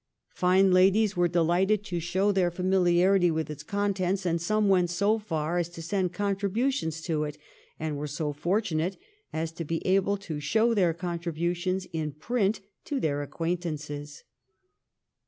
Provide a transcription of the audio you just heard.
Fine ladies were delighted to show their familiarity with its contents, and some went so far as to send contributions to it, and were so fortunate as to be able to show their contribu tions in print to their acquaintances.